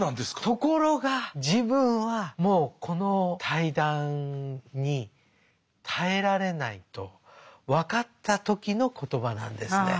ところが自分はもうこの対談に耐えられないと分かった時の言葉なんですね。